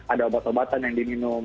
ada obat obatan yang diminum